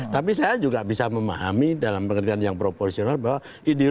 tapi saya juga bisa memahami dalam pengertian yang proporsional bahwa ideologi itu adalah peristiwa